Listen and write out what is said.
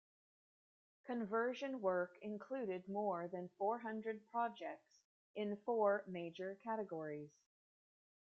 Conversion work included more than four hundred projects in four major categories.